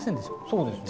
そうですね